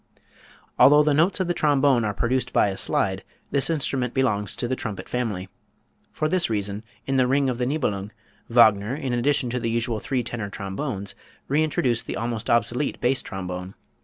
Although the notes of the trombone are produced by a slide, this instrument belongs to the trumpet family. For this reason, in the "Ring of the Nibelung," Wagner, in addition to the usual three tenor trombones, reintroduced the almost obsolete bass trombone.